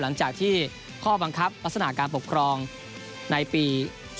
หลังจากที่ข้อบังคับลักษณะการปกครองในปี๒๕๖